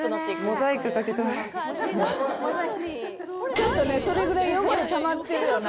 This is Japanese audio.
ちょっとねそれぐらい汚れたまってるよな。